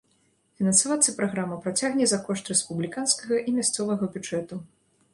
Фінансавацца праграма працягне за кошт рэспубліканскага і мясцовага бюджэтаў.